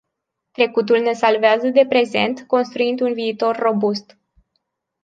Trecutul ne salvează de prezent construind un viitor robust.